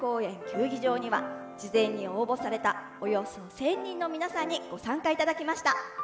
球技場には事前に応募されたおよそ１０００人の皆さんに参加いただきました。